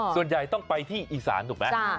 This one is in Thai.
ส่วนใหญ่ต้องไปที่อีสานถูกไหม